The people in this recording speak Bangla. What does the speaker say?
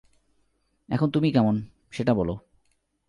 এখন তুমি কেমন, সেটা বল।